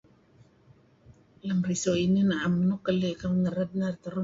Lem so inih naem nuk keli' kuh kerud